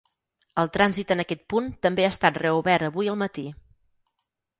El trànsit en aquest punt també ha estat reobert avui al matí.